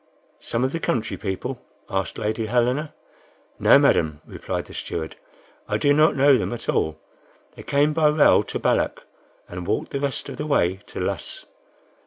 "Some of the country people?" asked Lady Helena. "No, madame," replied the steward, "I do not know them at all. They came by rail to Balloch, and walked the rest of the way to Luss."